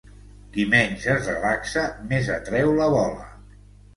Qui menys es relaxa, més atreu la bola.